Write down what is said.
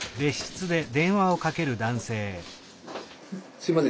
すいません